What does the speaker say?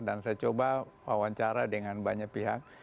dan saya coba wawancara dengan banyak pihak